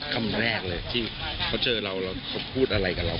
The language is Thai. คำแรกเลยที่เขาเจอเราเราพูดอะไรกับเรา